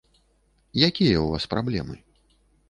Якія у вас праблемы?